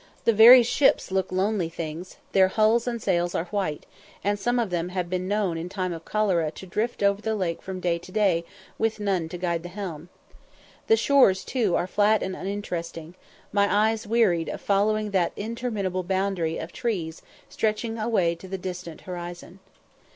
The very ships look lonely things; their hulls and sails are white, and some of them have been known in time of cholera to drift over the lake from day to day, with none to guide the helm. The shores, too, are flat and uninteresting; my eyes wearied of following that interminable boundary of trees stretching away to the distant horizon.